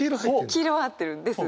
黄色は合ってるんです。